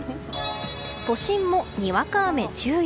都心も、にわか雨注意。